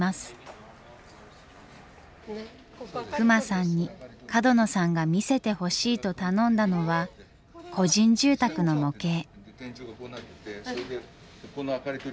隈さんに角野さんが見せてほしいと頼んだのは個人住宅の模型。